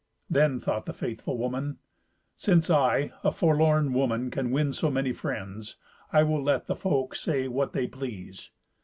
Then thought the faithful woman, "Since I, a forlorn woman, can win so many friends, I will let the folk say what they please.